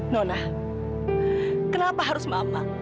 nona kenapa harus mama